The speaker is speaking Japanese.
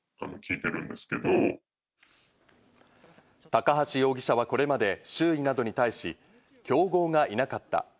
高橋容疑者はこれまで周囲などに対し、競合がいなかった。